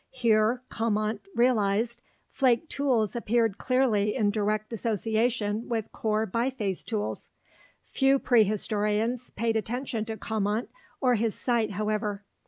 Here, Commont realized, flake tools appeared clearly in direct association with core biface tools. Few prehistorians paid attention to Commont or his site, however.